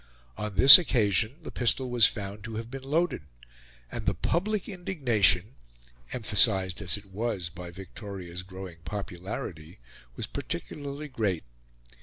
On this occasion the pistol was found to have been loaded, and the public indignation, emphasised as it was by Victoria's growing popularity, was particularly great.